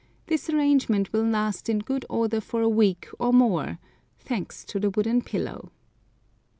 This arrangement will last in good order for a week or more—thanks to the wooden pillow.